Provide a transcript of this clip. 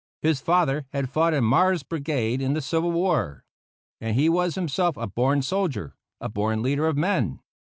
His father had fought in Meagher's Brigade in the Civil War; and he was himself a born soldier, a born leader of men.